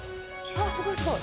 すごいすごい。